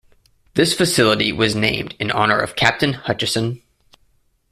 This facility was named in honour of Captain Hutcheson.